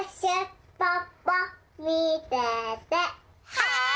はい！